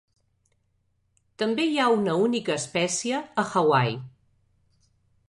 També hi ha una única espècie a Hawaii.